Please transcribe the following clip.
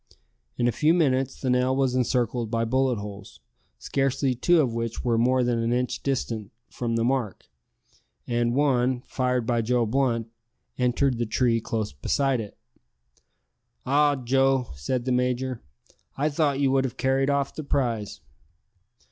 In a few minutes the nail was encircled by bullet holes, scarcely two of which were more than an inch distant from the mark, and one fired by Joe Blunt entered the tree close beside it. "Ah, Joe!" said the major, "I thought you would have carried off the prize."